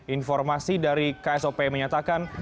informasi dari ksop menyatakan